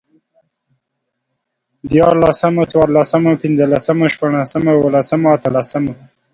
ديارلسمو، څوارلسمو، پنځلسمو، شپاړسمو، اوولسمو، اتلسمو